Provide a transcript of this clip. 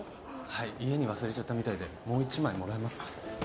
はい家に忘れちゃったみたいでもう一枚もらえますか？